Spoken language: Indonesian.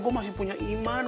gue masih punya iman